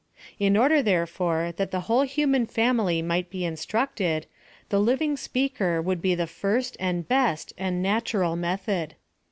In order, therefore, that the whole hu man family might be instructed, the living speaker would be the first, and hr% and natural method.